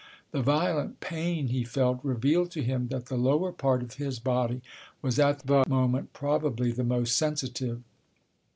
The violent pain he felt revealed to him that the lower part of his body was at the moment probably the most sensitive.